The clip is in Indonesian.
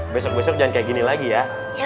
besok besok jangan kayak gini lagi ya